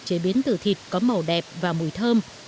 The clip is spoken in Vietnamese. chế biến từ thịt có màu đẹp và mùi thơm